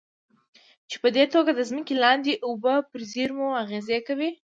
چې پدې توګه د ځمکې لاندې اوبو پر زېرمو اغېز کوي.